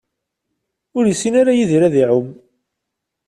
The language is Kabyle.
Ur yessin ara Yidir ad iɛumm.